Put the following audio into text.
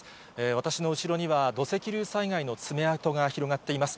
私の後ろには土石流災害の爪痕が広がっています。